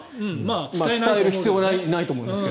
伝える必要はないと思いますが。